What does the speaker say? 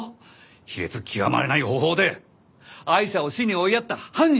卑劣極まりない方法でアイシャを死に追いやった犯人を！